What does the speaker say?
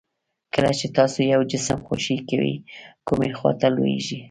کله چې تاسو یو جسم خوشې کوئ کومې خواته لویږي؟